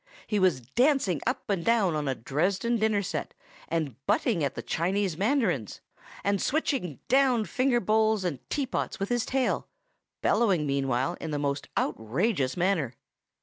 He was dancing up and down on a Dresden dinner set, and butting at the Chinese mandarins, and switching down finger bowls and teapots with his tail, bellowing meanwhile in the most outrageous manner.